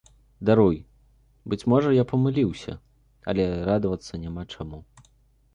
Даруй, быць можа, я памыліўся, але і радавацца няма чаму!